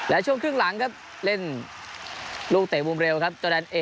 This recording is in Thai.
และช่วงครึ่งหลังครับเล่นลูกเตะวุ่มเร็วครับ